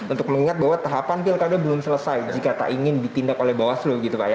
untuk mengingat bahwa tahapan pilkada belum selesai jika tak ingin ditindak oleh bawaslu gitu pak ya